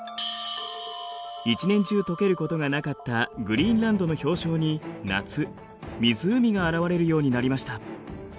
一年中溶けることがなかったグリーンランドの氷床に夏湖が現れるようになりました。